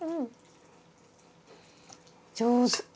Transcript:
上手。